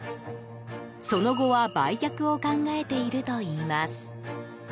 その後は売却を考えているといいます。